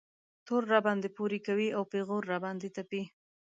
تور راباندې پورې کوي او پېغور را باندې تپي.